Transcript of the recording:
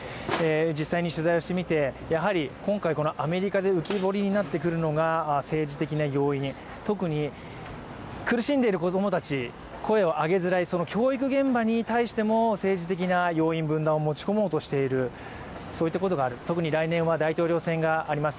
実際に取材をしてみて、やはり今回アメリカで浮き彫りになってくるのが政治的な要因、特に苦しんでいる子供たち、声を上げづらい教育現場に関しても政治的な要因、分断を持ち込もうとしているそういうことがある、特に来年は大統領選があります。